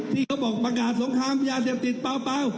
ที่เขาบอกประกาศสงครามยาเสพติดเปล่า